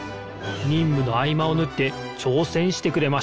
にんむのあいまをぬってちょうせんしてくれました。